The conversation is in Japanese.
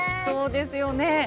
そうですよね。